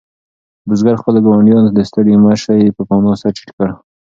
بزګر خپلو ګاونډیانو ته د ستړي مه شي په مانا سر ټیټ کړ.